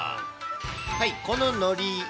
はい、こののり。